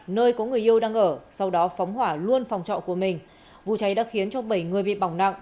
nơi có người yêu đang ở sau đó phóng hỏa luôn phòng trọ của mình vụ cháy đã khiến cho bảy người bị bỏng nặng